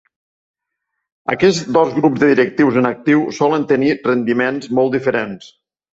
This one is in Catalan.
Aquests dos grups de directius en actiu solen tenir rendiments molt diferents.